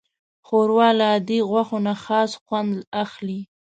ښوروا له عادي غوښو نه خاص خوند اخلي.